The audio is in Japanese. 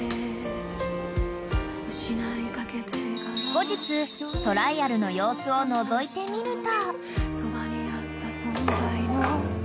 ［後日トライアルの様子をのぞいてみると］